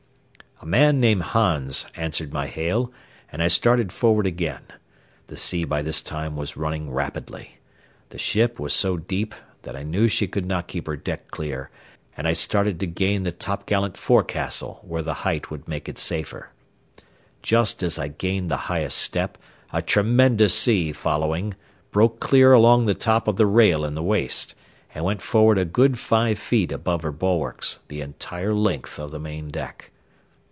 A man named Hans answered my hail, and I started forward again. The sea by this time was running rapidly. The ship was so deep that I knew she would not keep her deck clear, and I started to gain the topgallant forecastle where the height would make it safer. Just as I gained the highest step, a tremendous sea following broke clear along the top of the rail in the waist, and went forward a good five feet above her bulwarks, the entire length of the main deck.